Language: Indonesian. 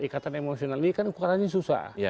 ikatan emosional ini kan ukurannya susah